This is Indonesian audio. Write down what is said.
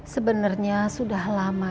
sebenernya sudah lama